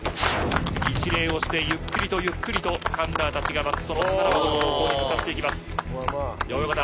一礼をしてゆっくりとゆっくりとハンターたちが待つその宝箱の方向向かっていきます。